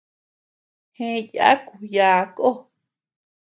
Gë yàku yââ kó.